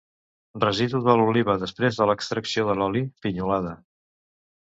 Residu de l'oliva després de l'extracció de l'oli, pinyolada.